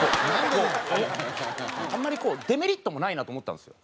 あんまりデメリットもないなと思ったんですよ。